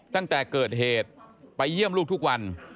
ตั้งแต่เกิดเหตุไปเยี่ยมลูกทุกวัน